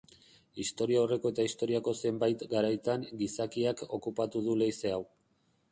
Historiaurreko eta historiako zenbait garaitan gizakiak okupatu du leize hau.